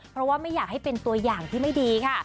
เพราะว่าไม่อยากให้เป็นตัวอย่างที่ไม่ดีค่ะ